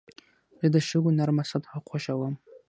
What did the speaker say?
زه د شګو نرمه سطحه خوښوم.